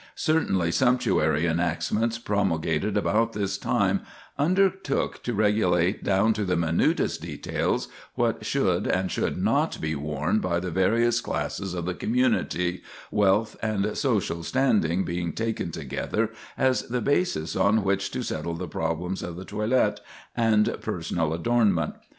Certain sumptuary enactments promulgated about this time undertook to regulate down to the minutest details what should and what should not be worn by the various classes of the community, wealth and social standing being taken together as the basis on which to settle the problems of the toilet and personal adornment.